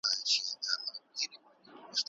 ګوندي پروګرامونه څنګه پلې کیږي؟